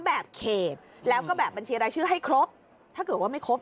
แบบเขตแล้วก็แบบบัญชีรายชื่อให้ครบถ้าเกิดว่าไม่ครบ